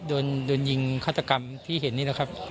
โดนยิงฆาตกรรมที่เห็นนี่แหละครับ